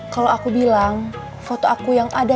kalau aku bilang foto aku yang ada